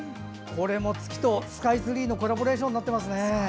これも月とスカイツリーのコラボレーションになってますね。